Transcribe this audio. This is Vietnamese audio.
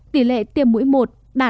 tỉ lệ tiêm mũi một đạt một trăm linh tám